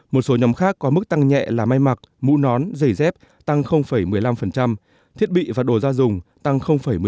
một số nhóm khác có mức tăng nhẹ là may mặc mũ nón giày dép tăng một mươi năm thiết bị và đồ gia dùng tăng một mươi năm